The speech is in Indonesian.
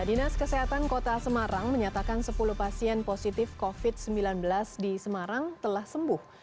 dinas kesehatan kota semarang menyatakan sepuluh pasien positif covid sembilan belas di semarang telah sembuh